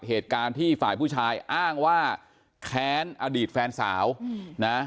เหตุการณ์ที่ฝ่ายผู้ชายอ้างว่าแค้นอดีตแฟนสาวนะ